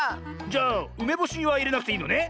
じゃあうめぼしはいれなくていいのね？